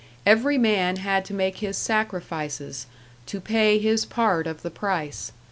Every man had to make his sacrifices, to pay his part of the price.